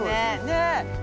ねえ。